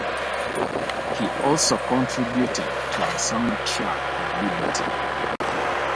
He also contributed to the soundtrack of Liberty!